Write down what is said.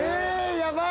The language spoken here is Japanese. やばい。